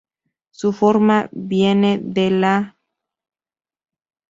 Su forma viene de la Г.